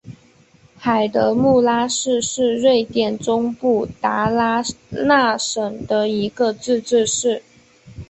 海德穆拉市是瑞典中部达拉纳省的一个自治市。